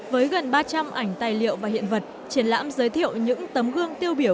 với gần ba trăm linh ảnh tài liệu và hiện vật triển lãm giới thiệu những tấm gương tiêu biểu